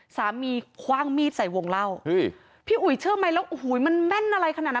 สามีคว่างมีดใส่วงเหล้าพี่อุ๋ยเชื่อมั้ยแล้วโอ้โหมันแม่นอะไรขนาดนั้น